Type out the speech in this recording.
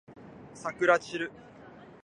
さくらちる